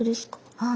はい。